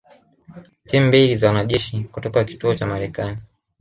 timu mbili za wanajeshi kutoka kituo cha Marekani